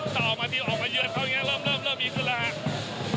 จะออกมาทีมออกมาเยือนเขาอย่างนี้เริ่มเริ่มมีขึ้นแล้วฮะ